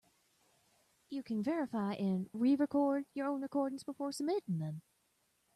You can verify and re-record your own recordings before submitting them.